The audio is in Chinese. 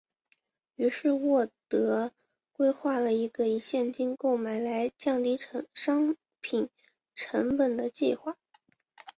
于是沃德规划了一个以现金购买来降低商品成本的计划。